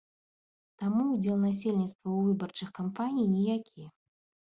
Таму ўдзел насельніцтва ў выбарчых кампаній ніякі.